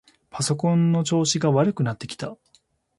パソコンの調子が悪くなってきた。